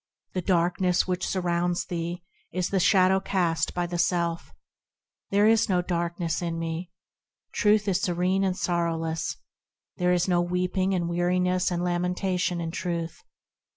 The darkness which surrounds thee is the shadow cast by the self ; There is no darkness in me. Truth is serene and sorrowless ; There is no weeping and weariness and lamentation in Truth.